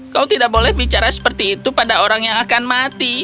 kau tidak boleh bicara seperti itu pada orang yang akan mati